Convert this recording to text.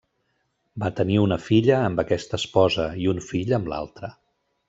Va tenir una filla amb aquesta esposa, i un fill amb l'altra.